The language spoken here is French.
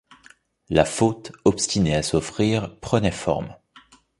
La faute, obstinée à s’offrir, prenait forme.